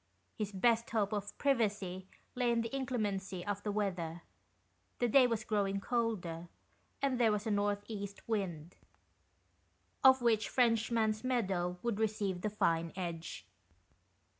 His best hope of privacy lay in the inclemency of the weather ; the day was growing colder, and there was a north east wind, of which Frenchman's Meadow would receive the fine edge.